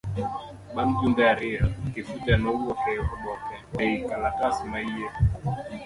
Bang' jumbe ariyo, Kifuja nowuok e oboke, e lkalatas maiye.